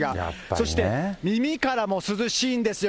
そして、耳からも涼しいんですよ。